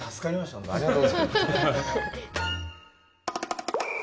ほんとありがとうございます。